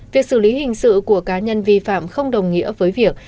việc xử lý hình sự của cá nhân vi phạm không đồng nghĩa với việc